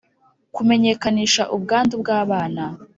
kumenyekanisha ubwandu bw’abana: